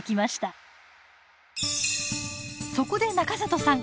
そこで中里さん